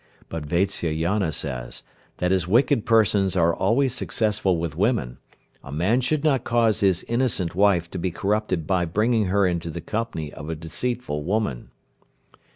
But Vatsyayana says, that as wicked persons are always successful with women, a man should not cause his innocent wife to be corrupted by bringing her into the company of a deceitful woman.